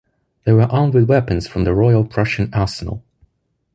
They were armed with weapons from the Royal Prussian Arsenal.